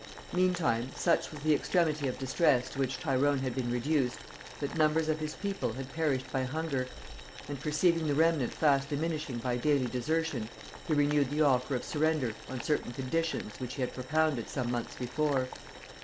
Meantime, such was the extremity of distress to which Tyrone had been reduced, that numbers of his people had perished by hunger; and perceiving the remnant fast diminishing by daily desertion, he renewed the offer of surrender on certain conditions which he had propounded some months before.